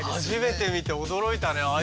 初めて見て驚いたね。